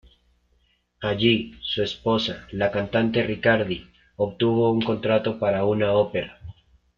Allí, su esposa, la cantante Riccardi, obtuvo un contrato para una ópera.